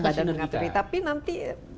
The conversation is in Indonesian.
badan pengatur ini tapi nanti